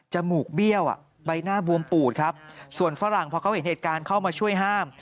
มูกเบี้ยวใบหน้าบวมปูดครับส่วนฝรั่งพอเขาเห็นเหตุการณ์เข้ามาช่วยห้าม